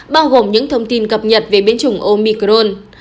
bao gồm những thông tin cập nhật về biến chủng omicron